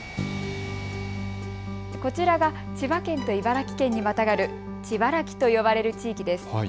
こちらが千葉県と茨城県にまたがる、ちばらきと呼ばれる地域です。